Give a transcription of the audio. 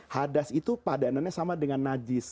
hadas itu padanannya sama dengan najis